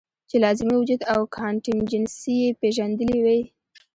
چې لازمي وجود او کانټينجنسي ئې پېژندلي وے -